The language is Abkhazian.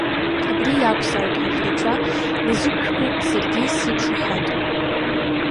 Абри иакәзааит ҳәа шәнацәа назқәышәкуа саргьы сиқәшаҳаҭуп!